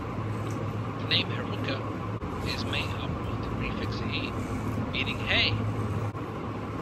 The name "Heruka" is made up of the prefix "he-" meaning "hey!